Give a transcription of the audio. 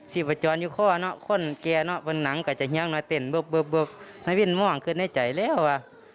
สิบประจอนอยู่ข้อเนาะคนแก่เนาะเป็นหนังกับจะเฮียงเนาะเต้นเบื้บน้าวิ่นม่องขึ้นในใจแล้วอะ